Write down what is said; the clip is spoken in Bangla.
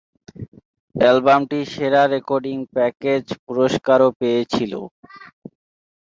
অ্যালবামটি সেরা রেকর্ডিং প্যাকেজ পুরস্কারও পেয়েছিল।